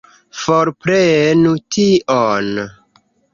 Forprenu tion!